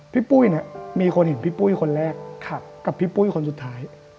ปุ้ยเนี่ยมีคนเห็นพี่ปุ้ยคนแรกกับพี่ปุ้ยคนสุดท้าย